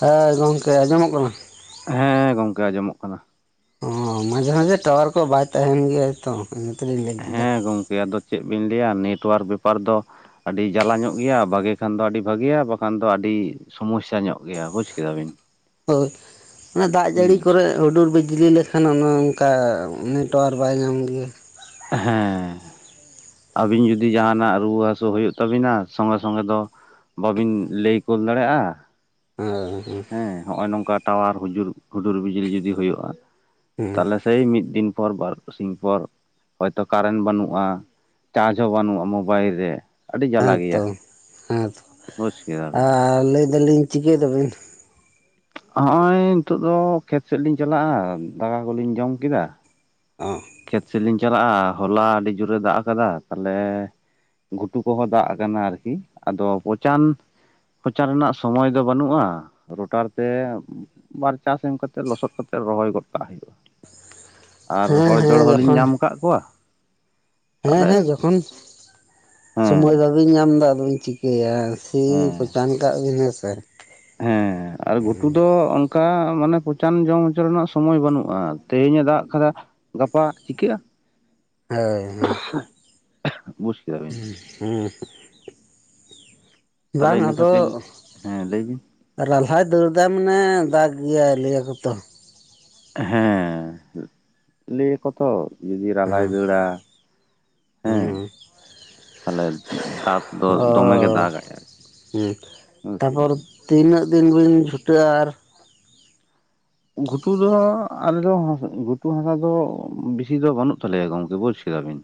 ᱦᱳᱭ ᱜᱚᱢᱠᱮ ᱟᱸᱡᱚᱢᱚᱜ ᱠᱟᱱᱟ᱾ ᱦᱮᱸ ᱜᱚᱢᱠᱮ ᱟᱸᱡᱚᱢᱚᱜ ᱠᱟᱱᱟ᱾ ᱚ ᱢᱟᱡᱷᱮ ᱢᱟᱡᱷᱮ ᱴᱟᱣᱟᱨ ᱠᱚ ᱵᱟᱭ ᱛᱟᱦᱮᱱ ᱜᱮᱭᱟᱭ ᱛᱚ ᱤᱱᱟᱹ ᱛᱮᱞᱤᱧ ᱞᱟᱹᱭ ᱠᱮᱫᱟ᱾ ᱜᱚᱢᱠᱮ ᱟᱫᱚ ᱪᱮᱫ ᱵᱤᱱ ᱞᱟᱹᱭᱟ ᱱᱮᱴᱳᱣᱟᱨᱠ ᱵᱮᱯᱟᱨ ᱫᱚ ᱟᱹᱰᱤ ᱡᱟᱞᱟ ᱧᱚᱜ ᱜᱮᱭᱟ ᱵᱷᱟᱜᱮ ᱠᱷᱟᱱ ᱫᱚ ᱟᱹᱰᱤ ᱵᱷᱟᱹᱜᱤᱭᱟ ᱵᱟᱠᱷᱟᱱ ᱫᱚ ᱟᱹᱰᱤ ᱥᱚᱢᱚᱥᱥᱟ ᱧᱚᱜ ᱜᱮᱭᱟ ᱵᱩᱡᱽ ᱠᱮᱫᱟ ᱵᱤᱱ? ᱦᱳᱭ ᱚᱱᱮ ᱫᱟᱜ ᱡᱟᱹᱲᱤ ᱠᱚᱨᱮ ᱦᱩᱰᱩᱨ ᱵᱤᱡ ᱞᱤ ᱞᱮᱠᱷᱟᱱ ᱚᱱᱮ ᱚᱱᱠᱟ ᱱᱮᱴᱳᱣᱟᱨᱠ ᱵᱟᱭ ᱧᱟᱢ ᱜᱮᱭᱟ᱾ ᱦᱮᱸ ᱟᱹᱵᱤᱱ ᱡᱩᱫᱤ ᱡᱟᱦᱟᱱᱟᱜ ᱨᱩᱣᱟᱹ ᱦᱟᱹᱥᱩ ᱦᱩᱭᱩᱜ ᱛᱟᱵᱤᱱᱟ ᱥᱚᱸᱜᱮ ᱥᱚᱸᱜᱮ ᱫᱚ, ᱵᱟᱵᱤᱱ ᱞᱟᱹᱭ ᱠᱳᱞ ᱫᱟᱲᱮᱭᱟᱜᱼᱟ᱾ ᱦᱮᱸ ᱦᱮ ᱱᱚᱜᱼ ᱱᱚᱝᱠᱟ ᱴᱟᱣᱟᱦᱩᱡᱩᱨ ᱦᱩᱰᱩᱨ ᱵᱤᱡᱽᱞᱤ ᱡᱩᱫᱤ ᱦᱩᱭᱩᱜᱼᱟ ᱦᱮᱸ ᱛᱟᱦᱞᱮ ᱥᱮᱭ ᱢᱤᱫ ᱫᱤᱱ ᱯᱚᱨ ᱵᱟᱨᱥᱤᱧ ᱯᱚᱨ ᱦᱚᱭᱛᱚ ᱠᱟᱨᱮᱱᱴ ᱵᱟᱹᱱᱩᱜᱼᱟ᱾ ᱪᱟᱨᱡᱽ ᱦᱚᱸ ᱵᱟᱹᱱᱩᱜᱼᱟ ᱢᱳᱵᱟᱭᱤᱞ ᱨᱮ᱾ ᱟᱹᱰᱤ ᱦᱮᱸ ᱡᱟᱞᱟ ᱛᱚ ᱜᱮᱭᱟ ᱦᱮᱸ ᱛᱚ ᱵᱩᱡᱽ ᱠᱮᱫᱟᱵᱤᱱ ᱟᱨ ᱞᱟᱹᱭ ᱫᱟᱞᱤᱧ ᱪᱤᱠᱟᱹᱭᱮᱫᱟᱵᱤᱱ? ᱦᱚᱜᱼᱚᱭ ᱱᱤᱛᱳᱜ ᱫᱚ ᱠᱷᱮᱛ ᱥᱮᱫ ᱞᱤᱧ ᱪᱟᱞᱟᱜᱼᱟ ᱫᱟᱠᱟ ᱠᱚᱞᱤᱧ ᱡᱚᱢ ᱠᱮᱫᱟ᱾ ᱚᱸ ᱠᱷᱮᱛ ᱥᱮᱞᱤᱧ ᱪᱟᱞᱟᱜᱼᱟ ᱦᱚᱞᱟ ᱟᱹᱰᱤ ᱡᱳᱨᱮ ᱫᱟᱜ ᱟᱠᱟᱫᱟ᱾ ᱛᱟᱦᱚᱞᱮ ᱜᱷᱩᱴᱩ ᱠᱚᱦᱚᱸ ᱫᱟᱜ ᱟᱠᱟᱱᱟ ᱟᱨᱠᱤ ᱟᱫᱚ ᱯᱚᱪᱟᱱ ᱯᱚᱪᱟᱱ ᱨᱮᱱᱟᱜ ᱥᱚᱢᱚᱭ ᱫᱚ ᱵᱟᱹᱱᱩᱜᱼᱟ ᱨᱚᱴᱟᱨ ᱛᱮ ᱵᱟᱨ ᱪᱟᱥ ᱮᱢ ᱠᱟᱛᱮᱫ ᱞᱚᱥᱚᱫ ᱠᱟᱛᱮᱜ ᱨᱚᱦᱚᱭ ᱜᱚᱫ ᱠᱟᱜ ᱦᱩᱭᱩᱜᱼᱟ᱾ ᱟᱨ ᱦᱚᱲ ᱦᱮᱸ ᱦᱮᱸ ᱡᱚᱲ ᱦᱚᱞᱤᱧ ᱡᱚᱠᱷᱚᱱ ᱧᱟᱢ ᱠᱟᱜ ᱠᱚᱣᱟ, ᱦᱮᱸ ᱛᱟᱦᱚᱞᱮ ᱦᱮᱸ ᱡᱚᱠᱷᱚᱱ ᱦᱮᱸ ᱥᱚᱢᱚᱭ ᱵᱟᱵᱮᱱ ᱧᱟᱢ ᱫᱟ ᱟᱫᱚᱧ ᱪᱤᱠᱟᱹᱭᱟ᱾ ᱥᱤ ᱦᱮᱸ ᱯᱚᱪᱟᱱ ᱠᱟᱜ ᱵᱮᱱ ᱦᱮᱸ ᱥᱮ᱾ ᱦᱮᱸ ᱟᱨ ᱜᱷᱩᱴᱩ ᱫᱚ ᱚᱱᱠᱟ ᱢᱟᱱᱮ ᱯᱚᱪᱟᱱ ᱡᱚᱢ ᱦᱚᱪᱚ ᱨᱮᱱᱟᱜ ᱥᱚᱢᱚᱭ ᱵᱟᱹᱱᱩᱜᱼᱟ, ᱛᱮᱦᱮᱧ ᱮ ᱫᱟᱜ ᱠᱟᱫᱟ ᱜᱟᱯᱟ ᱪᱤᱠᱟᱹᱜᱼᱟ? ᱦᱳᱭ ᱦᱮᱸ [unintelligible] [unintelligible] ᱛᱟᱦᱚᱞᱮ ᱵᱟᱝ ᱤᱱᱟᱹ ᱟᱫᱚ ᱠᱷᱟᱹᱛᱤᱨ ᱦᱮᱸ ᱞᱟᱹᱭ ᱵᱤᱱ ᱨᱟᱞᱦᱟᱭ ᱫᱟᱹᱲᱫᱟ ᱢᱟᱱᱮ ᱫᱟᱜ ᱜᱮᱭᱟᱭ ᱞᱟᱹᱭᱟᱠᱚᱛᱚ ᱦᱮᱸ ᱞᱟᱹᱭ ᱟᱠᱚ ᱛᱚ ᱡᱩᱫᱤ ᱨᱟᱞᱦᱟᱭ ᱫᱟᱹᱲᱟ ᱦᱮᱸ ᱦᱩᱸ ᱛᱟᱦᱚᱞᱮ ᱫᱟᱛ ᱚᱻ ᱟᱨᱠᱤ ᱛᱟᱯᱚᱨ ᱛᱤᱱᱟᱹᱜ ᱫᱤᱱ ᱵᱤᱱ ᱪᱷᱩᱴᱟᱹᱜᱼᱟ ᱟᱨ ᱜᱷᱩᱴᱩ ᱫᱚ ᱟᱞᱮ ᱫᱚ ᱜᱷᱩᱴᱩ ᱦᱟᱥᱟ ᱫᱚ ᱵᱤᱥᱤ ᱫᱚ ᱵᱟᱹᱱᱩᱜ ᱛᱟᱞᱮᱭᱟ ᱜᱚᱝᱠᱮ ᱵᱩᱡᱽ ᱠᱮᱫᱟᱵᱤᱱ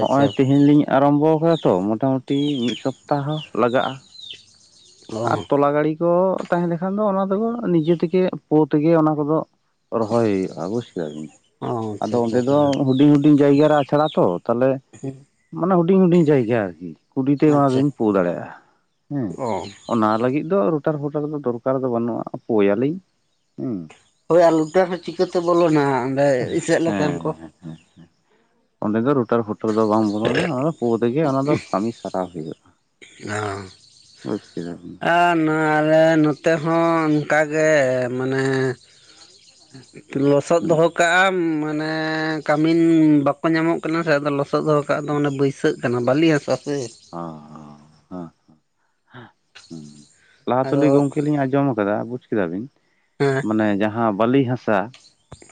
ᱟᱪᱪᱷᱟ ᱛᱮᱦᱮᱧ ᱞᱤᱧ ᱟᱨᱚᱢᱵᱚᱠᱟᱫᱟ ᱛᱚ ᱢᱚᱴᱟᱢᱩᱴᱤ ᱢᱤᱫ ᱥᱚᱯᱛᱟᱦᱚ ᱞᱟᱜᱟᱼᱟ ᱟᱨ ᱚ ᱛᱚᱞᱟ ᱜᱟᱲᱤ ᱠᱚ ᱛᱟᱦᱮᱸ ᱞᱮᱠᱷᱟᱱ ᱫᱚ ᱚᱱᱟ ᱫᱚ ᱱᱤᱡᱮ ᱛᱮᱜᱮ ᱯᱳ ᱛᱮᱜᱮ ᱚᱱᱟ ᱠᱚᱫᱚ ᱨᱚᱦᱚᱭ ᱦᱩᱭᱩᱜᱼᱟ ᱵᱩᱡ ᱠᱮᱫᱟ ᱵᱤᱱ ᱚ ᱟᱪᱪᱷᱟ ᱟᱫᱚ ᱟᱪᱪᱷᱟ ᱚᱸᱰᱮ ᱫᱚ ᱟᱪᱪᱷᱟ ᱦᱩᱰᱤᱧ ᱦᱩᱰᱤᱧ ᱡᱟᱭᱜᱟ ᱨᱮ ᱟᱪᱷᱚᱲᱟ ᱛᱚ ᱛᱟᱦᱚᱞᱮ ᱢᱟᱱᱮ ᱦᱩᱰᱤᱧ ᱦᱩᱰᱤᱧ ᱡᱟᱭᱜᱟ ᱟᱨᱠᱤ ᱠᱩᱰᱤᱛᱮ ᱟᱪᱪᱷᱟ ᱢᱟᱵᱤᱱ ᱯᱳ ᱫᱟᱲᱮᱭᱟᱜᱼᱟ ᱦᱩᱸ ᱚ ᱚᱱᱟ ᱞᱟᱹᱜᱤᱫ ᱫᱚ ᱨᱳᱴᱟᱨ ᱯᱷᱚᱴᱟᱨ ᱫᱚ ᱫᱚᱨᱠᱟᱨ ᱫᱚ ᱵᱟᱹᱱᱩᱜᱼᱟ ᱯᱳᱭᱟᱞᱤᱧ ᱦᱩᱸ ᱦᱳᱭ ᱟᱨ ᱞᱩᱴᱟᱹ ᱦᱚᱸ ᱪᱤᱠᱟᱹᱛᱮ ᱵᱚᱞᱚᱱᱟ ᱚᱸᱰᱮ ᱤᱥᱟᱹᱜ ᱞᱮᱠᱷᱟᱱ ᱦᱮᱸ ᱠᱚ ᱦᱮᱸ᱾ ᱚᱸᱰᱮ ᱫᱚ ᱨᱩᱴᱟᱨ ᱯᱷᱩᱴᱟᱨ ᱫᱚ ᱵᱟᱝ ᱵᱚᱞᱚᱱᱟ ᱚᱱᱟ ᱯᱳ ᱛᱮᱜᱮ ᱚᱱᱟ ᱫᱚ ᱠᱟᱹᱢᱤ ᱥᱟᱨᱟᱣ ᱦᱩᱭᱩᱜᱼᱟ ᱚ ᱵᱩᱡᱠᱮᱫᱟᱢ ᱟᱨ ᱱᱚ ᱟᱞᱮ ᱱᱚᱛᱮ ᱦᱚᱸ ᱚᱱᱠᱟᱜᱮ ᱢᱟᱱᱮ ᱞᱚᱥᱚᱫ ᱦᱩᱸ ᱫᱚᱦᱚ ᱠᱟᱜᱼᱟᱢ ᱢᱟᱱᱮ ᱠᱟᱹᱢᱤᱱ ᱵᱟᱠᱚ ᱧᱟᱢᱚᱜ ᱠᱟᱱᱟ ᱥᱮ ᱟᱫᱚ ᱞᱚᱥᱚᱫ ᱫᱚᱦᱚ ᱠᱟᱜ ᱫᱚ ᱢᱟᱱᱮ ᱵᱟᱹᱭᱥᱟᱹᱜ ᱠᱟᱱᱟ ᱵᱟᱹᱞᱤ ᱦᱟᱥᱟ ᱥᱮ ᱚ ᱦᱚᱸ [unintelligible] ᱞᱟᱦᱟ ᱟᱫᱚ ᱛᱮᱞᱤ ᱜᱚᱢᱠᱮ ᱞᱤᱧ ᱟᱸᱡᱚᱢᱟ [unintelligible] ᱵᱩᱡ ᱠᱮᱫᱟ ᱵᱤᱱ ᱦᱮᱸ ᱢᱟᱱᱮ ᱡᱟᱦᱟᱸ ᱵᱟᱹᱞᱤ ᱦᱟᱥᱟ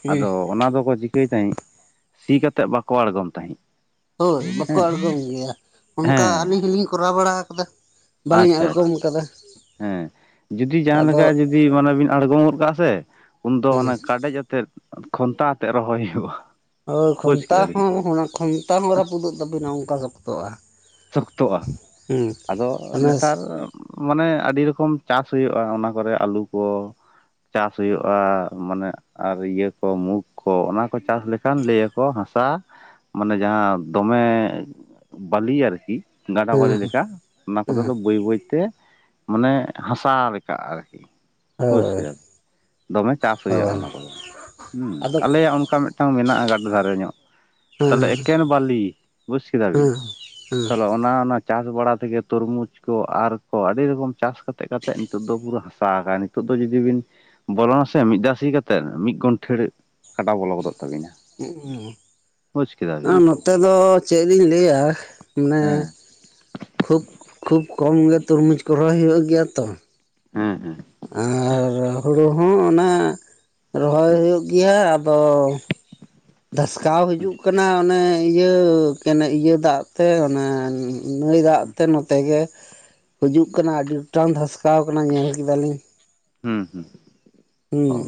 ᱦᱮᱸ ᱟᱫᱚ ᱚᱱᱟ ᱫᱚᱠᱚ ᱪᱤᱠᱟᱹᱭ ᱛᱟᱦᱮᱸᱜ ᱥᱤ ᱠᱟᱛᱮᱜ ᱵᱟᱠᱚ ᱟᱲᱜᱚᱢ ᱛᱟᱦᱮᱸᱜ ᱦᱳᱭ ᱵᱟᱠᱚ ᱟᱬᱜᱚᱢ ᱜᱮᱭᱟ ᱚᱱᱠᱟ ᱦᱮᱸ ᱟᱹᱞᱤᱧ ᱦᱚᱸᱞᱤᱧ ᱠᱚᱨᱟᱣ ᱵᱟᱲᱟ ᱠᱟᱫᱟ ᱵᱟᱹᱞᱤᱧ ᱟᱪᱪᱷᱟ ᱟᱪᱪᱷᱟ ᱟᱬᱜᱚᱢ ᱟᱠᱟᱫᱟ ᱦᱮᱸ ᱡᱩᱫᱤ ᱡᱟᱦᱟᱸ ᱟᱫᱚ ᱞᱮᱠᱟ ᱡᱩᱫᱤ ᱢᱟᱱᱮ ᱵᱤᱱ ᱟᱬᱜᱚᱢ ᱜᱚᱫ ᱠᱟᱜᱼᱟ ᱥᱮ ᱩᱱᱫᱚ ᱦᱮᱸ ᱦᱟᱱᱮ ᱠᱟᱰᱮᱡ ᱟᱛᱮᱫ ᱠᱷᱚᱱᱛᱟ ᱟᱛᱮᱜ ᱨᱚᱦᱚᱭ ᱦᱩᱭᱩᱜᱼᱟ ᱦᱳᱭ ᱵᱩᱡᱽ ᱠᱷᱚᱱᱛᱟ ᱠᱮᱫᱟ ᱵᱤᱱ ᱦᱚᱸ ᱚᱱᱟ ᱠᱷᱚᱱᱛᱟ ᱦᱚᱸ ᱨᱟᱹᱯᱩᱫᱚᱜ ᱛᱟᱵᱤᱱᱟ ᱚᱱᱠᱟ ᱥᱚᱠᱛᱚᱜᱼᱟ ᱥᱚᱠᱛᱚᱜᱼᱟ ᱦᱮᱸ ᱟᱫᱚ ᱚᱱᱟ ᱱᱮᱛᱟᱨ ᱢᱟᱱᱮ ᱟᱹᱰᱤ ᱨᱚᱠᱚᱢ ᱪᱟᱥ ᱦᱩᱭᱩᱜᱼᱟ ᱚᱱᱟ ᱠᱚᱨᱮ ᱟᱹᱞᱩ ᱠᱚ ᱪᱟᱥ ᱦᱩᱭᱩᱜᱼᱟ ᱢᱟᱱᱮ ᱟᱨ ᱤᱭᱟᱹ ᱠᱚ ᱢᱩᱠ ᱠᱚ ᱚᱱᱟ ᱠᱚ ᱪᱟᱥ ᱞᱮᱠᱷᱟᱱ ᱞᱟᱹ ᱟᱠᱚ ᱦᱟᱥᱟ ᱢᱟᱱᱮ ᱡᱟᱦᱟᱸ ᱫᱚᱢᱮ ᱵᱟᱹᱞᱤ ᱟᱨᱠᱤ ᱜᱟᱰᱟ ᱵᱟᱞᱤ ᱦᱮᱸ ᱞᱮᱠᱟ ᱚᱱᱟ ᱠᱚᱫᱚ ᱦᱮᱸ ᱫᱚ ᱵᱟᱹᱭ ᱵᱟᱹᱭᱛᱮ ᱢᱟᱱᱮ ᱦᱟᱥᱟ ᱞᱮᱠᱟ ᱟᱨᱠᱤ ᱦᱳᱭ [unintelligible] ᱫᱚᱢᱮ ᱪᱟᱥ ᱦᱩᱭᱩᱜᱼᱟ ᱦᱳᱭ ᱚᱱᱟ ᱠᱚᱫᱚ ᱦᱸ ᱟᱫᱚ ᱟᱞᱮᱭᱟᱜ ᱚᱱᱠᱟ ᱢᱤᱫᱴᱟᱝ ᱢᱮᱱᱟᱜᱼᱟ ᱜᱟᱰ ᱫᱷᱟᱨᱮ ᱧᱚᱜ ᱛᱟᱦᱚᱞᱮ ᱦᱮᱸ ᱮᱠᱮᱱ ᱵᱟᱞᱤ ᱵᱩᱡᱽ ᱠᱮᱫᱟ ᱵᱤᱱ ᱦᱮᱸ ᱛᱟᱦᱚᱞᱮ ᱚᱱᱟ ᱚᱱᱟ ᱪᱟᱥ ᱵᱟᱲᱟ ᱛᱮᱜᱮ ᱛᱚᱨᱢᱩᱡᱽ ᱠᱚ ᱟᱨ ᱠᱚ ᱟᱹᱰᱤ ᱨᱚᱠᱚᱢ ᱪᱟᱥ ᱠᱟᱛᱮ ᱠᱟᱛᱮᱫ ᱱᱤᱛᱚᱜ ᱫᱚ ᱯᱩᱨᱟᱹ ᱦᱟᱥᱟ ᱟᱠᱼ ᱱᱤᱛᱚᱜ ᱫᱚ ᱡᱩᱫᱤ ᱵᱤᱱ ᱵᱚᱞᱚᱱᱟᱥᱮ ᱢᱤᱫ ᱫᱷᱟᱣ ᱥᱤ ᱠᱟᱛᱮᱫ ᱢᱤᱫ ᱜᱚᱱᱴᱷᱮᱲ ᱠᱟᱴᱟ ᱵᱚᱞᱚ ᱜᱚᱫᱚᱜ ᱛᱟᱵᱤᱱᱟ ᱠᱮᱫᱟ [unintelligible] ᱵᱤᱱ ᱟᱨ ᱱᱚᱼᱼ ᱱᱚᱛᱮ ᱫᱚ ᱪᱮᱫ ᱠᱤᱧ ᱞᱟᱹᱭᱟ ᱢᱟᱱᱮ ᱦᱮᱸ ᱠᱷᱩᱵ ᱠᱷᱩᱵ ᱠᱚᱢ ᱜᱮ ᱛᱚᱨᱢᱩᱡᱽ ᱠᱚ ᱨᱚᱦᱚᱭ ᱦᱩᱭᱩᱜ ᱜᱮᱭᱟ ᱛᱚ ᱦᱮᱸ ᱦᱮᱸ ᱟᱨ ᱦᱩᱲᱩ ᱦᱚᱸ ᱚᱱᱟ ᱨᱚᱦᱚᱭ ᱦᱩᱭᱩᱜ ᱜᱮᱭᱟ ᱟᱫᱚ ᱫᱷᱟᱥᱠᱟᱣ ᱦᱤᱡᱩᱜ ᱠᱟᱱᱟ ᱚᱱᱮ ᱤᱭᱟᱹ ᱤᱭᱟᱹ ᱫᱟᱜ ᱛᱮ ᱚᱱᱮ ᱱᱟᱹᱭ ᱫᱟᱜ ᱛᱮ ᱱᱚᱛᱮ ᱜᱮ ᱦᱤᱡᱩᱜ ᱠᱟᱱᱟ ᱟᱹᱰᱤ ᱜᱚᱴᱟᱝ ᱫᱷᱟᱥᱠᱟᱣ ᱟᱠᱟᱱᱟ ᱧᱮᱞ ᱠᱮᱫᱟᱞᱤᱧ ᱦᱩᱸ ᱦᱩᱸ ᱚ ᱦᱩᱸ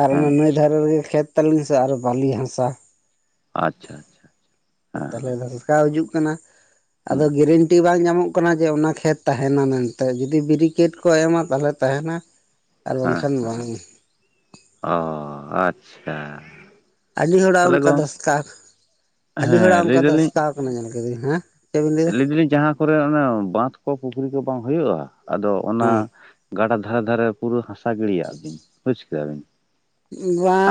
ᱟᱨ ᱚᱱᱟ ᱦᱮᱸ ᱱᱟᱹᱭ ᱫᱷᱟᱨᱮ ᱨᱮᱜᱮ ᱠᱷᱮᱛ ᱛᱟᱹᱞᱤᱧ ᱥᱮ ᱟᱨᱦᱚ ᱵᱟᱹᱞᱤ ᱦᱟᱥᱟ ᱟᱪᱪᱷᱟ ᱟᱪᱪᱷᱟ ᱦᱮᱸ ᱛᱟᱦᱚᱞᱮ ᱫᱷᱟᱥᱠᱟᱣ ᱦᱤᱡᱩᱜ ᱠᱟᱱᱟ ᱟᱫᱚ ᱦᱩᱸ ᱜᱮᱨᱮᱱᱴᱤ ᱵᱟᱝ ᱧᱟᱢᱚᱜ ᱠᱟᱱᱟ ᱠᱟᱱᱟ ᱡᱮ ᱚᱱᱟ ᱠᱷᱮᱛ ᱛᱟᱦᱮᱱᱟ ᱢᱮᱱᱛᱮ ᱡᱩᱫᱤ ᱵᱮᱨᱤᱠᱮᱴ ᱠᱚ ᱮᱢᱟ ᱛᱟᱦᱚᱞᱮ ᱛᱟᱦᱮᱱᱟ ᱟᱨ ᱦᱮᱸ ᱵᱟᱝᱠᱷᱟᱱ ᱦᱮᱸ ᱵᱟᱝ ᱚ ᱟᱪᱪᱷᱟ ᱟᱹᱰᱤ ᱦᱚᱲᱟᱜ ᱛᱟᱦᱚᱞᱮ ᱚᱱᱠᱟ ᱜᱚᱝ ᱫᱷᱟᱥᱠᱟᱣ ᱾ ᱟᱹᱰᱤ ᱦᱚᱲᱟᱜ ᱦᱮᱸ ᱞᱟᱹᱭ ᱚᱱᱠᱟ ᱫᱟᱞᱤᱧ ᱫᱷᱟᱥᱠᱟᱣ ᱟᱠᱟᱱᱟ ᱧᱮᱞ ᱠᱟᱹᱫᱟᱹᱧ ᱾ ᱦᱮᱸ? ᱪᱮᱫ ᱵᱤᱱ ᱞᱟᱹᱭᱫᱟ ᱞᱟᱹᱭ ᱫᱟᱞᱤᱧ ᱡᱟᱦᱟᱸ ᱠᱚᱨᱮ ᱚᱱ ᱵᱟᱸᱫᱷ ᱠᱚ ᱯᱩᱠᱷᱨᱤ ᱠᱚ ᱵᱟᱝ ᱦᱩᱭᱩᱜᱼᱟ ᱟᱫᱚ ᱚᱱᱟ ᱦᱮᱸ ᱜᱟᱰᱟ ᱫᱷᱟᱨᱮ ᱫᱷᱟᱨᱮ ᱯᱩᱨᱟᱹ ᱦᱟᱥᱟ ᱜᱤᱲᱤᱭᱟᱜ ᱵᱤᱱ ᱵᱩᱡᱽ ᱠᱮᱫᱟ ᱵᱤᱱ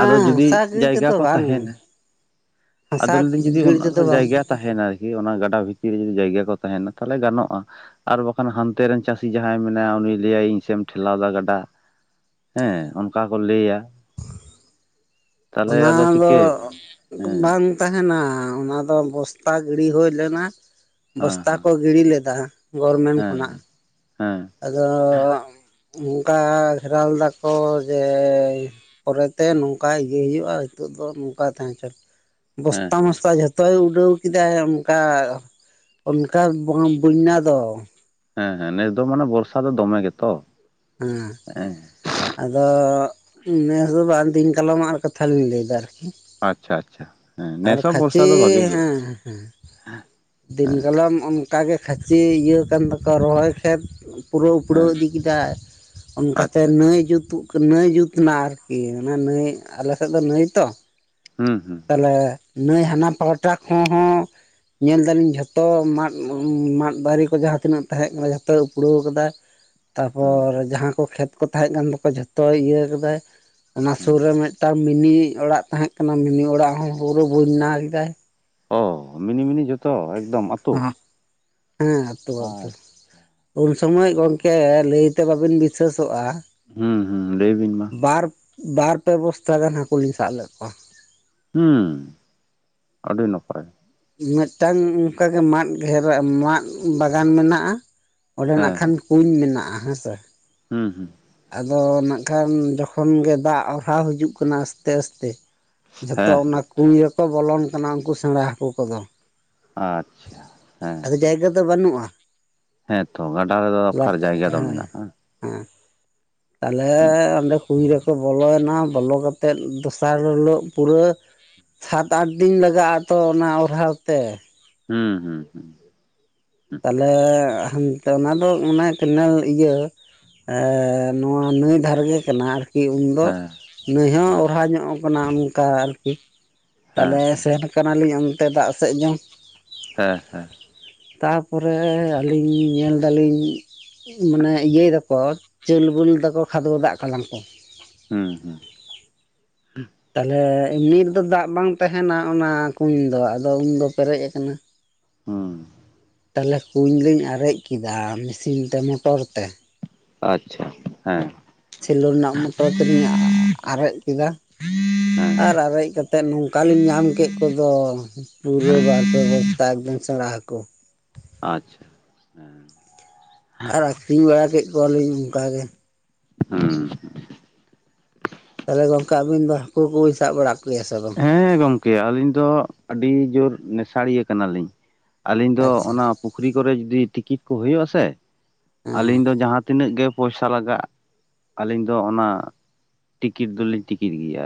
ᱟᱫᱚ ᱡᱩᱫᱤ ᱦᱟᱥᱟ ᱜᱤᱲᱤ ᱡᱟᱭᱜᱟ ᱛᱮᱫᱚ ᱠᱚ ᱵᱟᱝ ᱛᱟᱦᱮᱱᱟ ᱟᱫᱚ ᱦᱟᱥᱟ ᱞᱟᱹᱭᱫᱟᱧ ᱡᱩᱫᱤ ᱚᱱᱟ ᱜᱤᱲᱤ ᱛᱮᱫᱚ ᱵᱟᱝ ᱡᱟᱭᱜᱟ ᱛᱟᱦᱮᱱᱟ ᱟᱨᱠᱤ ᱚᱱᱟ ᱜᱟᱰᱟ ᱵᱷᱤᱛᱤᱨ ᱵᱷᱤᱛᱤᱨ ᱨᱮ ᱡᱩᱫᱤ ᱡᱟᱭᱜᱟ ᱠᱚ ᱛᱟᱦᱮᱱᱟ ᱛᱟᱦᱚᱞᱮ ᱜᱟᱱᱚᱜᱼᱟ ᱟᱨ ᱵᱟᱠᱷᱟᱱ ᱦᱟᱱᱛᱮ ᱨᱮᱱ ᱪᱟᱹᱥᱤ ᱡᱟᱦᱟᱸᱭ ᱢᱮᱱᱟᱭᱟ ᱩᱱᱤ ᱞᱟᱹᱭᱟᱭ ᱤᱧ ᱥᱮᱫ ᱮᱢ ᱴᱷᱮᱞᱟᱣ ᱫᱟ ᱜᱟᱰᱟ ᱦᱮᱸ ᱚᱱᱠᱟ ᱠᱚ ᱞᱟᱹᱭᱟ ᱛᱟᱦᱚᱞᱮ ᱚᱱᱟ ᱟᱫᱚ ᱫᱚ ᱪᱤᱠᱟᱹᱭᱟᱵᱤᱱ ᱦᱮᱸ ᱵᱟᱝ ᱛᱟᱦᱮᱱᱟ, ᱚᱱᱟ ᱫᱚ ᱵᱚᱥᱛᱟ ᱜᱤᱲᱤ ᱦᱩᱭ ᱞᱮᱱᱟ, ᱦᱮᱸ ᱵᱚᱥᱛᱟ ᱦᱮᱸ ᱠᱚ ᱜᱤᱲᱤ ᱞᱮᱫᱟ ᱜᱚᱨᱢᱮᱱ ᱠᱷᱚᱱᱟᱜ ᱦᱮᱸ ᱦᱮᱸ ᱟᱫᱚ ᱚᱱᱠᱟ ᱜᱷᱮᱨᱟᱣ ᱞᱮᱫᱟᱠᱚ ᱡᱮ ᱯᱚᱨᱮᱛᱮ ᱱᱚᱝᱠᱟ ᱤᱭᱟᱹ ᱦᱩᱭᱩᱜᱼᱟ ᱱᱤᱛᱚᱜ ᱫᱚ ᱱᱚᱝᱠᱟ ᱜᱮ ᱛᱟᱦᱮᱸ ᱦᱚᱪᱚᱱ ᱾ ᱵᱚᱥᱛᱟ ᱢᱚᱥᱛᱟ ᱡᱚᱛᱚᱼ ᱡᱚᱛᱚᱭ ᱩᱰᱟᱹᱣ ᱠᱮᱫᱟᱭ ᱚᱱᱠᱟ ᱚᱱᱠᱟ ᱵᱩᱱᱱᱟ ᱫᱚ ᱦᱮᱸ ᱦᱮᱸ ᱱᱮᱥ ᱫᱚ ᱢᱟᱱᱮ ᱵᱚᱨᱥᱟ ᱫᱚ ᱫᱚᱢᱮ ᱜᱮᱛᱚ ᱦᱮᱸ ᱦᱮᱸ ᱟᱫᱚ ᱱᱮᱥ ᱫᱚ ᱵᱟᱝ ᱫᱤᱱ ᱠᱟᱞᱚᱢᱟᱜ ᱠᱟᱛᱷᱟ ᱞᱤᱧ ᱞᱟᱹᱭᱫᱟ ᱟᱨᱠᱤ ᱟᱪᱪᱷᱟ ᱟᱪᱪᱷᱟ ᱦᱮᱸ ᱟᱨ ᱱᱮᱥ ᱦᱚᱸ ᱠᱷᱟᱪᱮ ᱵᱚᱨᱥᱟ ᱫᱚ ᱵᱷᱟᱜᱤ ᱜᱮ ᱦᱮᱸ ᱦᱮᱸ ᱫᱤᱱ ᱦᱮᱸ ᱠᱟᱞᱟᱢ ᱚᱱᱼ ᱼᱠᱟᱜᱮ ᱠᱷᱟᱹᱪᱤ ᱤᱭᱟᱹ ᱠᱟᱱ ᱛᱟᱠᱚᱣᱟ ᱨᱚᱦᱚᱭ ᱠᱷᱮᱛ ᱯᱩᱨᱟᱹ ᱩᱯᱲᱟᱹᱣ ᱦᱮᱸ ᱤᱫᱤ ᱠᱮᱫᱟᱭ ᱚᱱᱠᱟᱛᱮ ᱟᱪᱪᱷᱟ ᱱᱟᱹᱭ ᱡᱩᱛᱩ ᱱᱟᱹᱭ ᱡᱩᱛ ᱮᱱᱟ ᱟᱨᱠᱤ ᱾ ᱚᱱᱟ ᱱᱟᱹᱭ ᱟᱞᱮᱥᱮᱫ ᱫᱚ ᱱᱟᱹᱭ ᱛᱚ ᱦᱩᱸ ᱦᱩᱸ ᱛᱟᱦᱚᱞᱮ ᱱᱟᱹᱭ ᱦᱟᱱᱟ ᱯᱟᱦᱟᱴᱟ ᱠᱚ ᱦᱚᱸ ᱧᱮᱞ ᱫᱟᱹᱞᱤᱧ ᱡᱷᱚᱛᱚ ᱢᱟᱫ ᱢᱟᱫ ᱫᱟᱨᱮ ᱠᱚ ᱡᱟᱦᱟᱸ ᱛᱤᱱᱟᱹᱜ ᱛᱟᱦᱮᱸ ᱠᱟᱱᱟ ᱡᱷᱚᱛᱚ ᱩᱯᱲᱟᱹᱣ ᱠᱟᱫᱟᱭ [inaudible] ᱛᱟᱯᱚᱨ ᱡᱟᱦᱟᱸ ᱠᱚ ᱠᱷᱮᱛ ᱠᱚ ᱛᱟᱦᱮᱸ ᱠᱟᱱ ᱛᱟᱠᱚᱣᱟ ᱡᱷᱚᱛᱚᱭ ᱤᱭᱟᱹ ᱠᱮᱫᱟᱭ ᱚᱱᱟ ᱦᱩᱸ ᱥᱩᱨ ᱨᱮ ᱢᱤᱫᱴᱟᱝ ᱢᱤᱱᱤ ᱚᱲᱟᱜ ᱛᱟᱦᱮᱸᱜ ᱠᱟᱱᱟ ᱢᱤᱱᱤ ᱚᱲᱟᱜ ᱦᱚᱸ ᱯᱩᱨᱟᱹ ᱵᱚᱱᱱᱟ ᱠᱮᱫᱟᱭ ᱚᱻ ᱢᱤᱱᱤ ᱢᱤᱱᱤ ᱡᱷᱚᱛᱚ ᱮᱠᱫᱚᱢ ᱟᱹᱛᱩ ᱚ ᱦᱮᱸ ᱟᱹᱛᱩ ᱟᱹᱛᱩ ᱟᱪᱪᱷᱟ ᱾ ᱩᱱ ᱥᱚᱢᱚᱭ ᱚ ᱜᱚᱝᱠᱮ ᱞᱟᱹᱭᱛᱮ ᱵᱟᱹᱵᱤᱱ ᱵᱤᱥᱥᱟᱹ ᱥᱚᱜᱼᱟ ᱦᱩᱸ ᱦᱩᱸ ᱞᱟᱹᱭ ᱵᱤᱱ ᱢᱟ ᱵᱟᱨ ᱵᱟᱨ ᱯᱮ ᱵᱚᱥᱛᱟ ᱜᱟᱱ ᱦᱟᱹᱠᱩ ᱞᱤᱧ ᱥᱟᱵ ᱞᱮᱫ ᱠᱚᱣᱟ ᱾ ᱦᱩᱸ ᱟᱹᱰᱤ ᱱᱟᱯᱟᱭ ᱢᱤᱫᱴᱟᱝ ᱚᱱᱠᱟ ᱜᱮ ᱢᱟᱫ ᱜᱷᱮᱨᱟ ᱢᱟᱫ ᱵᱟᱜᱟᱱ ᱢᱮᱱᱟᱜᱼᱟ, ᱚᱸᱰᱮ ᱦᱮᱸ ᱱᱟᱜᱼᱠᱷᱟᱱ ᱦᱮᱸ ᱠᱩᱧ ᱢᱮᱱᱟᱜᱼᱟ ᱦᱮᱸᱥᱮ ᱦᱩᱸ ᱦᱩᱸ ᱟᱫᱚ ᱱᱟᱜ ᱠᱷᱟᱱ ᱡᱚᱠᱷᱚᱱ ᱜᱮ ᱫᱟᱜ ᱦᱟᱣ ᱦᱤᱡᱩᱜ ᱠᱟᱱᱟ ᱟᱥᱛᱮ ᱟᱥᱛᱮ ᱡᱷᱚᱛᱚ ᱦᱮᱸ ᱚᱱᱟ ᱠᱩᱧ ᱨᱮᱠᱚ ᱵᱚᱞᱚᱱ ᱠᱟᱱᱟ ᱩᱱᱠᱩ ᱥᱮᱬᱟ ᱦᱟᱹᱠᱩ ᱠᱚᱫᱚ ᱟᱪᱪᱷᱟ ᱦᱮᱸ ᱟᱫᱚ ᱡᱟᱭᱜᱟ ᱫᱚ ᱵᱟᱹᱱᱩᱜᱼᱟ ᱦᱮᱸ ᱛᱚ ᱜᱟᱰᱟ ᱨᱮᱫᱚ ᱞᱟᱴ ᱚᱠᱟᱨᱮ ᱡᱟᱭᱜᱟ ᱫᱚ ᱦᱮᱸ ᱢᱮᱱᱟᱜᱼᱟ ᱦᱮᱸ ᱛᱟᱦᱚᱞᱮ ᱦᱩᱸ ᱚᱸᱰᱮ ᱠᱩᱧ ᱨᱮᱠᱚ ᱵᱚᱞᱚᱭᱱᱟ, ᱵᱚᱞᱚ ᱠᱟᱛᱮᱜ ᱫᱚᱥᱟᱨ ᱦᱤᱞᱳᱜ ᱯᱩᱨᱟᱹ ᱥᱟᱛ ᱟᱴ ᱫᱤᱱ ᱞᱟᱜᱟᱜ ᱟ ᱛᱚ ᱚᱱᱟ ᱚᱨᱦᱟᱣ ᱛᱮ ᱦᱩᱸ ᱦᱩᱸ ᱦᱩᱸ ᱛᱟᱦᱚᱞᱮ ᱛᱚ ᱚᱱᱟ ᱫᱚ ᱚᱱᱟ ᱠᱮᱱᱮᱞ ᱤᱭᱟᱹ ᱱᱚᱣᱟ ᱱᱟᱹᱭ ᱫᱷᱟᱨᱮ ᱠᱟᱱᱟ ᱟᱨ ᱠᱤ ᱩᱱᱫᱚ ᱦᱮᱸ ᱱᱟᱹᱭ ᱦᱚᱸ ᱦᱮᱸ ᱚᱨᱦᱟ ᱧᱚᱜ ᱠᱟᱱᱟ ᱚᱱᱠᱟ ᱟᱨᱠᱤ᱾ ᱦᱮᱸ ᱛᱟᱦᱚᱞᱮ ᱥᱮᱱ ᱠᱟᱱᱟᱞᱤᱧ ᱚᱱᱛᱮ ᱫᱟᱜ ᱥᱮᱡ ᱡᱚᱝ, ᱦᱮᱸ ᱦᱮᱸ ᱛᱟ ᱛᱟᱯᱚᱨᱮ ᱟᱹᱞᱤᱧ ᱧᱮᱞ ᱫᱟᱞᱤᱧ ᱢᱟᱱᱮ ᱤᱭᱟᱹᱭ ᱫᱟᱠᱚ ᱪᱟᱹᱞ ᱵᱩᱞ ᱫᱟᱠᱚ ᱠᱷᱟᱫᱽ ᱵᱟᱫᱟ ᱠᱟᱱᱟ ᱠᱚ᱾ ᱦᱩᱸ ᱦᱩᱸ ᱛᱟᱦᱚᱞᱮ ᱮᱢᱱᱤ ᱨᱮᱫᱚ ᱫᱟᱜ ᱵᱟᱝ ᱛᱟᱦᱮᱱᱟ ᱚᱱᱟ ᱠᱩᱧ ᱫᱚ ᱟᱫᱚ ᱩᱱᱫᱚ ᱯᱮᱨᱮᱡ ᱟᱠᱟᱱᱟ᱾ ᱦᱩᱸ ᱛᱟᱦᱚᱞᱮ ᱠᱩᱧ ᱞᱤᱧ ᱟᱨᱮᱡ ᱠᱮᱫᱟ ᱢᱮᱥᱤᱱ ᱛᱮ ᱢᱚᱴᱚᱨ ᱛᱮ᱾ ᱟᱪᱪᱷᱟ ᱦᱮᱸ, ᱥᱮᱞᱚᱨ ᱨᱮᱱᱟᱜ ᱢᱚᱴᱚᱨ ᱛᱮᱞᱤᱧ ᱟᱨᱮᱡ ᱠᱮᱫᱟ᱾ ᱦᱮᱸ ᱟᱨ ᱟᱨᱮᱡ ᱠᱟᱛᱮ ᱱᱚᱝᱠᱟ ᱞᱤᱧ ᱧᱟᱢ ᱠᱮᱫ ᱠᱚᱫᱚ, ᱯᱩᱨᱟᱹ ᱦᱮᱸ ᱵᱟᱨ ᱯᱮ ᱵᱚᱥᱛᱟ ᱮᱠᱫᱚᱢ ᱥᱮᱲᱟ ᱦᱟ. ᱠᱩ᱾ ᱟᱪᱷᱟ ᱦᱮᱸ ᱟᱨ ᱟᱠᱷᱨᱤᱧ ᱵᱟᱲᱟ ᱠᱮᱫ ᱠᱚᱣᱟᱞᱤᱧ ᱚᱱᱠᱟ ᱜᱮ᱾ ᱦᱩᱸ ᱛᱟᱦᱚᱞᱮ ᱜᱚᱝᱠᱮ ᱟᱵᱤᱱ ᱫᱚ ᱦᱟᱹᱠᱩ ᱠᱚᱵᱤᱱ ᱥᱟᱵ ᱵᱟᱲᱟ ᱠᱚᱜᱮᱭᱟ ᱥᱮ ᱵᱟᱝ? ᱦᱮᱸ ᱜᱚᱝᱠᱮ ᱟᱹᱞᱤᱧ ᱫᱚ ᱟᱹᱰᱤ ᱡᱩᱨ ᱱᱮᱥᱟᱲᱤᱭᱟᱹ ᱠᱟᱱᱟᱞᱤᱧ ᱟᱞᱤᱧ ᱫᱚ ᱟᱪᱪᱷᱟ ᱚᱱᱟ ᱯᱩᱠᱷᱨᱤ ᱠᱚᱨᱮ ᱡᱩᱫᱤ ᱴᱤᱠᱤᱴ ᱠᱚ ᱦᱩᱭᱩᱜᱼᱟ ᱥᱮ ᱦᱮᱸ ᱟᱞᱤᱧ ᱫᱚ ᱡᱟᱦᱟᱸ ᱛᱤᱱᱟᱹᱜ ᱜᱮ ᱯᱚᱭᱥᱟ ᱞᱟᱜᱟᱜ ᱟᱹᱞᱤᱧ ᱫᱚ ᱚᱱᱟ ᱴᱤᱠᱤᱴ ᱫᱚᱞᱤᱧ ᱴᱤᱠᱤᱴ ᱜᱮᱭᱟ᱾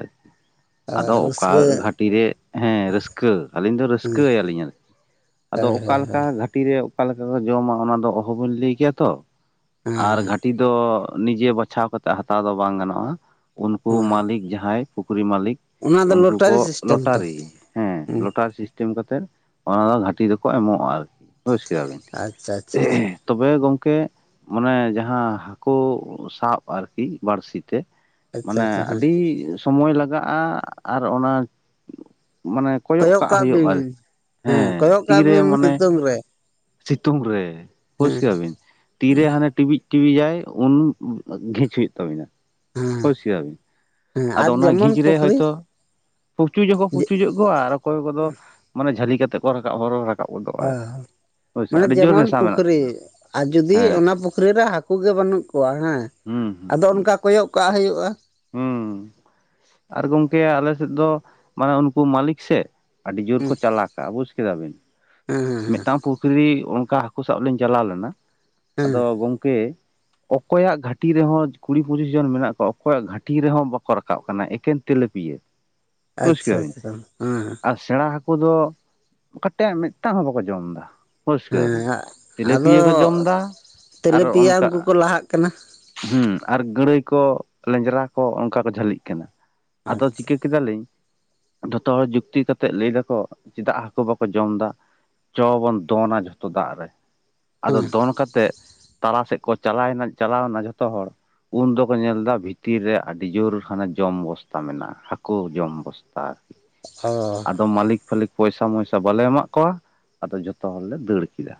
[unintelligible] ᱜᱷᱟᱴᱤ ᱨᱮ ᱦᱮᱸ ᱨᱟᱹᱥᱠᱟᱹ ᱟᱹᱞᱤᱧ ᱫᱚ ᱦᱮᱸ ᱨᱟᱹᱥᱠᱟᱹᱭᱟᱞᱤᱧᱟᱹ᱾ ᱟᱫᱚ ᱦᱳᱭ ᱦᱳᱭ ᱚᱠᱟᱞᱮᱠᱟ ᱦᱳᱭ ᱜᱷᱟᱴᱤᱨ ᱨᱮ ᱚᱠᱟᱮᱠᱟ ᱠᱚ ᱡᱚᱢᱟ ᱚᱱᱟ ᱫᱚ ᱚᱦᱚᱵᱤᱱ ᱞᱟᱹᱭ ᱠᱮᱭᱟ ᱛᱚ᱾ ᱟᱨ ᱦᱮᱸ ᱜᱷᱟᱟᱹᱴᱤ ᱫᱚ ᱱᱤᱡᱮ ᱵᱟᱪᱷᱟᱣ ᱠᱟᱛᱮᱫ ᱦᱟᱛᱟᱣ ᱫᱚ ᱵᱟᱝ ᱜᱟᱱᱚᱜᱼᱟ᱾ ᱩᱱᱠᱩ ᱦᱮᱸ ᱢᱟᱹᱞᱤᱠ ᱡᱟᱦᱟᱸᱭ ᱯᱩᱠᱷᱨᱤ ᱢᱟᱹᱞᱤᱠ᱾ ᱚᱱᱟ ᱫᱚ ᱩᱱᱠᱩ ᱠᱚ ᱞᱚᱴᱟᱨᱤ ᱥᱤᱥᱴᱮᱢ ᱛᱚ ᱞᱚᱴᱟᱨᱤ ᱦᱮᱸ ᱞᱚᱴᱟᱨᱤ ᱥᱤᱥ ᱴᱤᱢ ᱠᱟᱛᱮᱫ ᱚᱱᱟ ᱫᱚ ᱜᱷᱟᱴᱤ ᱫᱚᱠᱚ ᱮᱢᱚᱜᱼᱟ ᱟᱨᱠᱤ ᱵᱡᱽ ᱠᱮᱫᱟᱵᱤᱱ? ᱟᱪᱪᱷᱟ ᱟᱪᱪᱷᱟ ᱛᱚᱵᱮ ᱜᱚᱝᱠᱮ ᱢᱟᱱᱮ ᱡᱟᱦᱟᱸ ᱦᱟᱹᱠᱩ ᱥᱟᱵ ᱟᱨᱠᱤ ᱵᱟᱹᱲᱥᱤ ᱛᱮ, ᱟᱪᱪᱷᱟ ᱢᱟᱱᱮ ᱟᱪᱪᱷᱟ ᱦᱮᱸ ᱟᱹᱰᱤ ᱥᱚᱢᱚᱭ ᱞᱟᱜᱟᱜᱼᱟ ᱟᱨ ᱚᱱᱟ ᱢᱟᱱᱮ ᱠᱚᱭᱚᱜ ᱠᱟᱜ ᱦᱩᱭᱩᱜᱼᱟ ᱟᱨᱠᱤ ᱦᱮᱸ᱾ ᱠᱚᱭᱚᱜ ᱠᱟᱜ ᱛᱤᱨᱮ ᱵᱤᱱ ᱢᱟᱱᱮ ᱥᱤᱛᱩᱝ ᱨᱮ ᱥᱤᱛᱩᱝ ᱨᱮ ᱵᱳᱡᱽ ᱦᱮᱸ ᱠᱮᱭᱟᱵᱤᱱ ᱛᱤᱨᱮ ᱦᱟᱱᱮ ᱴᱤᱵᱤᱡ ᱴᱤᱠᱤᱵ ᱡᱟᱭ ᱩᱱ ᱜᱷᱤᱪ ᱦᱩᱭᱩᱜ ᱛᱟᱵᱤᱱᱟ᱾ ᱦᱮᱸ ᱵᱩᱡᱠᱮᱫᱟ ᱵᱤᱱ ᱦᱮᱸ ᱟᱫᱚ ᱟᱨ ᱚᱱᱟ ᱡᱮᱢᱚᱱ ᱜᱤᱡ ᱨᱮ ᱯᱩᱠᱷᱨᱤ ᱦᱚᱳᱭᱛᱳ ᱯᱩᱪᱩᱡ ᱦᱚᱠᱚ ᱯᱩᱪᱩᱡᱚᱜ ᱠᱚ ᱟᱨ ᱚᱠᱚᱭ ᱠᱚᱫᱚ ᱢᱟᱱᱮ ᱡᱷᱟᱹᱞᱤ ᱠᱟᱛᱮᱜ ᱠᱚ ᱨᱟᱠᱟᱵ ᱦᱚᱨᱚ ᱨᱟᱠᱟᱵ ᱚ ᱜᱚᱫᱚᱜᱼᱟ ᱦᱳᱭᱥᱮ ᱢᱟᱱᱮ ᱟᱹᱰᱤ ᱡᱳᱨ ᱡᱮᱢᱚᱱ ᱱᱮᱥᱟ ᱢᱮᱱᱟᱜ ᱯᱩᱠᱷᱨᱤ ᱛᱟᱹᱞᱤᱧᱟ ᱟᱨ ᱡᱩᱫᱤ ᱦᱮᱸ ᱚᱱᱟ ᱯᱩ ᱠᱷᱨᱤ ᱨᱮ ᱦᱟᱹᱠᱩ ᱜᱮ ᱵᱟᱹᱱᱩᱜ ᱠᱚᱣᱟ ᱦᱮᱸ ᱦᱩᱸ ᱦᱩᱸ ᱟᱫᱚ ᱦᱩᱸ ᱚᱱᱠᱟ ᱠᱚᱭᱚᱜ ᱠᱟᱜ ᱦᱩᱭᱩᱜᱼᱟ᱾ ᱦᱩᱸ ᱟᱨ ᱜᱚᱝᱠᱮ ᱟᱞ ᱥᱮᱫ ᱫᱚ ᱢᱟᱱᱮ ᱩᱱᱠᱩ ᱢᱟᱞᱤᱠ ᱥᱮ, ᱟᱹᱰᱤ ᱡᱳᱨ ᱦᱮᱸ ᱠᱚ ᱪᱟᱞᱟᱠ ᱟ ᱵᱩᱡ ᱠᱮᱫᱟ ᱵᱤᱱ? ᱦᱮᱸ ᱦᱮᱸ ᱢᱤᱫᱴᱟᱝ ᱯᱩᱠᱷᱨᱤ ᱚᱱᱠᱟ ᱦᱟᱹᱠᱩ ᱥᱟᱵ ᱞᱤᱧ ᱪᱟᱞᱟᱣ ᱞᱮᱱᱟ ᱦᱮᱸ ᱟᱫᱚ ᱜᱚᱝᱠᱮ ᱚᱠᱚᱭᱟᱜ ᱜᱷᱟᱟᱹᱴᱤ ᱨᱮᱦᱚᱸ ᱠᱩᱲᱤ ᱯᱚᱸᱪᱤᱥ ᱡᱚᱱ ᱢᱮᱱᱟᱜ ᱠᱚᱣᱟ ᱚᱠᱚᱭᱟᱜ ᱜᱷᱟᱟᱹᱴᱤ ᱨᱮᱦᱚᱸ ᱵᱟᱠᱚ ᱨᱟᱠᱟᱵ ᱠᱟᱱᱟ ᱮᱠᱮᱱ ᱛᱮᱤᱞᱟᱹᱯᱤᱭᱟᱹ᱾ ᱵᱩᱡ ᱟᱪᱪᱷᱟ ᱠᱮᱫᱟ ᱵᱤᱱ ᱟᱪᱪᱷᱟ ᱦᱮᱸ ᱟᱨ ᱥᱮᱬᱟ ᱦᱟᱹᱠᱩ ᱫᱚ ᱠᱟᱴᱤᱡ ᱢᱤᱫ ᱴᱟᱝ ᱦᱚᱸ ᱵᱟᱠᱚ ᱡᱚᱢ ᱫᱟ, ᱦᱮᱸ ᱟᱫᱚ ᱡᱚᱢ ᱮᱫᱟ ᱟᱨ ᱛᱮᱞᱮᱯᱮᱭᱟ ᱚᱱᱠᱟ ᱩᱱᱠᱩ ᱠᱚ ᱞᱟᱦᱟᱜ ᱠᱟᱱᱟ᱾ ᱦᱮᱸ ᱟᱨ ᱜᱟᱹᱲᱟᱹᱭ ᱠᱚ ᱞᱮᱸᱡᱨᱟ ᱠᱚ ᱚᱱᱠᱟ ᱠᱚ ᱡᱷᱟᱹᱞᱤᱜ ᱠᱟᱱᱟ, ᱟᱫᱚ ᱟᱪᱪᱷᱟ ᱪᱤᱠᱟᱹ ᱠᱮᱫᱟᱞᱤᱧ ᱡᱷᱚᱛᱚ ᱦᱚᱲ ᱡᱩᱠᱛᱤ ᱠᱟᱛᱮᱜ ᱞᱟᱹᱭ ᱫᱟᱠᱚ ᱪᱮᱫᱟᱜ ᱦᱟᱹᱠᱩ ᱵᱟᱠᱚ ᱡᱚᱢ ᱫᱟ? ᱪᱚ ᱵᱚᱱ ᱫᱚᱱᱟ ᱡᱷᱚᱛᱚ ᱫᱟᱜ ᱨᱮ, ᱟᱫᱚ ᱦᱮᱸ ᱫᱚᱱ ᱠᱟᱛᱮᱫ ᱛᱟᱞᱟ ᱥᱮᱫ ᱠᱚ ᱪᱟᱞᱟᱣᱮᱱᱟ ᱪᱟᱞᱟᱣᱮᱱᱟ ᱡᱷᱚᱛᱚ ᱦᱚᱲ, ᱩᱱ ᱫᱚᱠᱚ ᱧᱮᱞᱫᱟ ᱵᱷᱤᱛᱤᱨ ᱨᱮ ᱟᱹᱰᱤ ᱡᱳᱨ ᱦᱟᱱᱮ ᱡᱚᱢ ᱵᱚᱥᱛᱟ ᱢᱮᱱᱟᱜᱼᱟ ᱦᱟᱹᱠᱩ ᱡᱚᱢ ᱵᱚᱥ ᱛᱟ ᱚ ᱟᱫᱚ ᱢᱟᱞᱤᱠ ᱯᱟᱞᱤᱠ ᱯᱚᱭᱥᱟ ᱢᱚᱭᱥᱟ ᱵᱟᱞᱮ ᱮᱢᱟᱜ ᱠᱚᱣᱟ ᱟᱫᱚ ᱡᱚᱛᱚ ᱦᱚᱲᱞᱮ ᱫᱟᱹᱲ ᱠᱮᱫᱟ᱾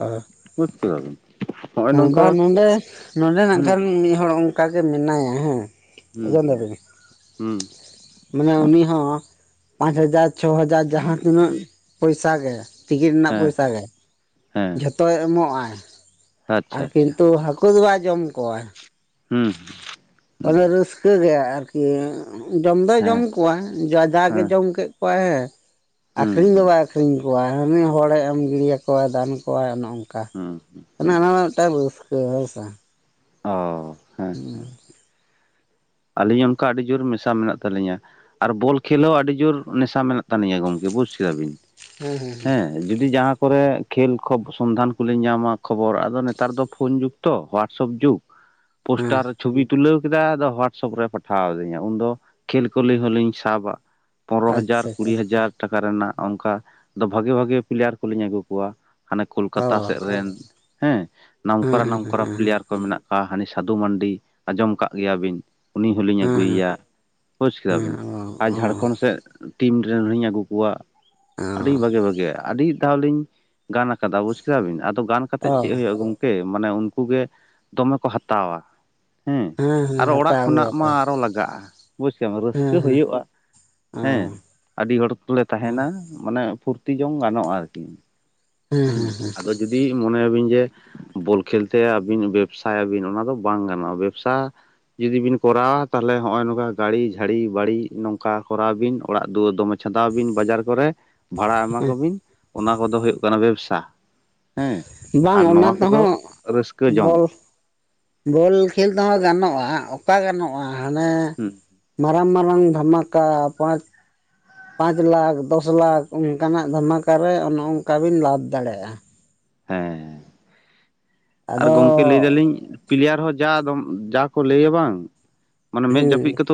ᱚ [unintelligible] ᱵᱩᱡ ᱠᱮᱫᱟᱵᱮᱱ [unintelligible] ᱦᱮᱸ ᱵᱟ ᱱᱚᱸᱰᱮ ᱱᱚᱰᱮ ᱠᱷᱟᱱ ᱢᱤᱫᱦᱚᱲ ᱚᱱᱠᱟ ᱜᱮ ᱢᱮᱱᱟᱭᱟ ᱦᱮᱸ ᱦᱩᱸ ᱦᱩᱸ ᱟᱡᱸᱡᱚᱢᱫᱟᱵᱤᱱ ᱦᱩᱸ ᱢᱟᱱᱮ ᱩᱱᱤ ᱦᱚᱸ ᱯᱟᱸᱪ ᱦᱟᱡᱟᱨ ᱪᱷᱚ ᱦᱟᱡᱟᱨ ᱡᱟᱦᱟᱸ ᱛᱤᱱᱟᱹᱜ ᱯᱚᱭᱥᱟ ᱜᱮ ᱴᱤᱠᱤᱴ ᱨᱮᱱᱟᱜ ᱦᱮᱸ ᱯᱚᱭᱥᱟ ᱜᱮ ᱦᱮᱸ ᱡᱷᱚᱛᱚᱭ ᱮᱢᱚᱜᱼ ᱟᱭ ᱟᱪᱪᱷᱟ ᱟᱨ ᱟᱪᱪᱷᱟ ᱠᱤᱱᱛᱩ ᱦᱟᱹᱠᱩ ᱫᱚ ᱵᱟᱭ ᱡᱚᱢ ᱠᱚᱣᱟ᱾ ᱦᱩᱸ ᱦᱩᱸ ᱚᱱᱮ ᱨᱟᱹᱥᱠᱟᱹᱜ ᱜᱮ ᱟᱨᱠᱤ ᱡᱚᱢ ᱫᱚᱭ ᱡᱚᱢ ᱦᱮᱸ ᱠᱚᱣᱟ ᱡᱟᱫᱟᱜᱮ ᱦᱮᱸ ᱡᱚᱢ ᱠᱮᱫ ᱠᱚᱣᱟ ᱠᱚ ᱦᱮᱸ ᱦᱩᱸ ᱟᱹᱠᱷᱨᱤᱧ ᱫᱚ ᱵᱟᱭ ᱟᱹᱠᱷ ᱨᱤᱧ ᱠᱚᱣᱟᱭ ᱦᱟᱹᱱᱤ ᱦᱚᱲᱮ ᱮᱢ ᱜᱤᱰᱤᱭᱟᱠᱚᱣ ᱫᱟᱱ ᱠᱚᱣᱟᱭ ᱚᱱᱮ ᱚᱱᱠᱟ ᱦᱩᱸ ᱦᱩᱸ ᱠᱟ ᱦᱩᱸ ᱚᱱᱟᱢᱟ ᱢᱤᱫᱴᱟᱝ ᱨᱟᱹᱥᱠᱟᱹ ᱦᱳᱭ ᱥᱮ ᱚ ᱦᱮᱸ ᱦᱮᱸ ᱟᱹᱞᱤᱧ ᱚᱱᱠᱟ ᱟᱹᱰᱤ ᱡᱳᱨ ᱢᱮᱥᱟ ᱢᱮᱱᱟᱜ ᱛᱟᱹᱟᱞᱤᱧᱟ᱾ ᱟᱨ ᱵᱚᱞ ᱠᱷᱮᱞ ᱦᱚᱸ ᱟᱹᱰᱤ ᱡᱳᱨ ᱱᱮᱥᱟ ᱢᱮᱱᱟᱜ ᱛᱟᱹᱟᱞᱤᱧᱟ ᱜᱚᱢᱠᱮ ᱵᱩᱡᱽ ᱠᱮᱫᱟ ᱵᱤᱱ᱾ ᱦᱮᱸ ᱦᱩᱸ ᱦᱩᱸ ᱦᱮᱸ ᱡᱩᱫᱤ ᱡᱟᱦᱟᱸ ᱠᱚᱨᱮ ᱠᱷᱮᱞ ᱠᱷᱚ ᱥᱚᱱᱫᱷᱟᱱ ᱠᱚᱞᱤᱧ ᱧᱟᱢᱟ ᱠᱷᱚᱵᱚᱨ ᱟᱫᱚ ᱱᱮᱛᱟᱨ ᱫᱚ ᱯᱷᱳᱱ ᱡᱩᱜᱽ ᱛᱚ ᱦᱚᱭᱟᱴᱥᱚᱯ ᱡᱩᱜᱽ ᱦᱮᱸ ᱦᱮᱸ ᱯᱳᱥᱴᱟᱨ ᱪᱷᱚᱵᱤ ᱛᱩᱞᱟᱹᱣ ᱠᱮᱫᱟᱭ ᱟᱫᱚ ᱦᱳᱣᱟᱴᱥᱮᱯ ᱨᱮ ᱯᱟᱴᱷᱟᱣ ᱟᱹᱫᱤᱧᱟ ᱩᱱᱫᱚ ᱠᱷᱮᱞ ᱠᱚᱞᱤ ᱦᱚᱞᱤᱧ ᱥᱟᱵᱟ᱾ ᱯᱚᱱᱨᱚ ᱦᱟᱡᱟᱨ ᱟᱪᱪᱷᱟ ᱠᱩᱲᱤ ᱟᱪᱪᱷᱟ ᱦᱟᱡᱟᱨ ᱴᱟᱠᱟ ᱨᱮᱱᱟᱜ ᱚᱱᱠᱟ ᱫᱚ ᱵᱷᱟᱜᱤ ᱵᱷᱟᱜᱮ ᱯᱞᱮᱭᱟᱨ ᱠᱚᱞᱤᱧ ᱟᱹᱜᱩ ᱠᱚᱣᱟ᱾ ᱦᱟᱱᱮ ᱠᱳᱞᱠᱟᱛᱟ ᱚ ᱥᱮᱫ ᱨᱮᱱ ᱦᱮᱸ ᱦᱮᱸ ᱱᱟᱢᱠᱚᱨᱟ ᱦᱮᱸ ᱱᱟᱢᱠᱚᱨᱟ ᱦᱮᱸ ᱯᱞᱮᱭᱟᱨ ᱠᱚ ᱢᱮᱱᱟᱜ ᱠᱚᱣᱟ ᱦᱟᱱᱤ ᱥᱟᱹᱫᱷᱩ ᱢᱟᱱᱰᱤ ᱟᱸᱡᱚᱢ ᱠᱫ ᱜᱮᱭᱟ ᱵᱤᱱ ᱩᱱᱤ ᱦᱚᱞᱤᱧ ᱦᱮᱸ ᱦᱮᱸ ᱟᱹᱜᱩᱭᱮᱭᱟ ᱵᱳᱡᱽ ᱠᱮᱫᱟ ᱵᱤᱱ ᱦᱮᱸ ᱚ ᱟᱨ ᱚ ᱡᱷᱟᱲᱠᱷᱚᱸᱰ ᱥᱮᱫ ᱴᱤᱢ ᱨᱮᱱ ᱦᱚᱧ ᱟᱹᱜᱩ ᱠᱚᱣᱟ ᱟᱹᱰᱤ ᱵᱷᱟᱜᱮ ᱵᱷᱟᱜᱮᱭᱟᱜ ᱟᱹᱰᱤ ᱫᱷᱟᱣ ᱞᱤᱧ ᱜᱟᱱ ᱟᱠᱟᱫᱟ ᱵᱩᱡᱽ ᱠᱮᱫᱟ ᱵᱤᱱ ᱟᱫᱚ ᱜᱟᱱ ᱠᱟᱛᱮᱫ ᱚ ᱪᱮᱫ ᱦᱩᱭᱩᱜᱼᱟ ᱜᱚᱝᱠᱮ ᱢᱟᱱᱮ ᱩᱱᱠᱩ ᱜᱮ ᱫᱚᱢᱮ ᱠᱚ ᱦᱟᱛᱟᱣᱟ ᱦᱮᱸ ᱦᱮᱸ ᱟᱨᱚ ᱚᱲᱟᱜ ᱦᱟᱛᱟᱣ ᱠᱷᱚᱱᱟᱜ ᱜᱮᱭᱟ ᱢᱟ ᱠᱚ ᱟᱨᱚ ᱞᱟᱜᱟᱜᱼᱟ ᱵᱩᱡ ᱠᱮᱟᱢ ᱦᱮᱸ ᱨᱟᱹᱥᱠᱟᱹ ᱦᱮᱸ ᱦᱩᱭᱩᱜᱼᱟ ᱚ ᱦᱮᱸ ᱟᱹᱰᱤ ᱦᱚᱲ ᱠᱚᱞᱮ ᱛᱟᱦᱮᱱᱟ ᱢᱟᱱᱮ ᱯᱷᱩᱨᱛᱤ ᱡᱚᱝ ᱜᱟᱱᱚᱜᱼᱟ ᱟᱨᱠᱤ ᱦᱮᱸ ᱦᱩᱸ ᱦᱮᱸ ᱟᱫᱚ ᱡᱩᱫᱤ ᱢᱚᱱᱮᱭᱟᱵᱤᱱ ᱡᱮ ᱵᱚᱞ ᱠᱷᱮᱞᱛᱮ ᱟᱹᱵᱤᱱ ᱵᱮᱵᱽᱥᱟᱭᱟᱵᱤᱱ ᱚᱱᱟ ᱫᱚ ᱵᱟᱝ ᱜᱟᱱᱚᱜᱼᱟ ᱵᱮᱵᱽᱥᱟ ᱡᱩᱫᱤ ᱵᱤᱱ ᱠᱚᱨᱟᱣᱟ ᱛᱟᱦᱚᱞᱮ ᱦᱚᱜᱼᱚᱭ ᱱᱚᱝᱠᱟ ᱜᱟᱹᱲᱤ ᱡᱷᱟᱹᱲᱤ ᱵᱟᱹᱲᱤ ᱱᱚᱝᱠᱟ ᱠᱚᱨᱟᱣ ᱵᱤᱱ ᱚᱲᱟᱜ ᱫᱩᱣᱟᱹᱨ ᱫᱚᱢᱮ ᱪᱷᱟᱫᱟᱣ ᱵᱤᱱ ᱵᱟᱡᱟᱨ ᱠᱚᱨᱮ ᱵᱷᱟᱲᱟ ᱮᱢᱟ ᱠᱚᱵᱤᱱ ᱚᱱᱟ ᱠᱚᱫᱚ ᱦᱩᱭᱩᱜ ᱠᱟᱱᱟ ᱵᱮᱵᱽᱥᱟ ᱦᱮᱸ ᱵᱟᱝ ᱟᱨ ᱚᱱᱟ ᱱᱚᱣᱟ ᱠᱚᱫᱚ ᱛᱮᱦᱚᱸ ᱨᱟᱹᱥᱠᱟᱹ ᱡᱚᱝ ᱵᱚᱞ ᱵᱚᱞ ᱠᱷᱮᱞ ᱛᱮᱦᱚᱸ ᱜᱟᱱᱚᱜᱼᱟ ᱚᱠᱟ ᱜᱟᱱᱚᱜᱼᱟ ᱦᱟᱱᱮ ᱦᱩᱸ ᱢᱟᱨᱟᱝ ᱢᱟᱨᱟᱝ ᱫᱷᱚᱨᱢᱟᱠᱟ ᱯᱟᱸᱪ ᱯᱟᱸᱪ ᱞᱟᱠᱷ ᱫᱚᱥ ᱞᱟᱠᱷ ᱚᱱᱠᱟᱱᱟᱜ ᱫᱢᱟᱠᱟᱨᱮ ᱚᱱᱮ ᱚᱱᱠᱟ ᱵᱤᱱ ᱞᱟᱵᱷ ᱫᱟᱲᱮᱭᱟᱜᱼᱟ ᱦᱮᱸ ᱟᱨ ᱟᱫᱚ ᱜᱚᱝᱠᱮ ᱞᱟᱹᱭ ᱫᱟᱞᱤᱧ ᱯᱞᱤᱭᱟᱨ ᱦᱚᱸ ᱡᱟ ᱡᱟ ᱠᱚ ᱞᱟᱹᱭᱟ ᱵᱟᱝ ᱢᱟᱱᱮ ᱢᱮᱸᱫ ᱦᱮᱸ ᱡᱟᱹᱯᱤᱫᱛ ᱠᱟᱛᱮ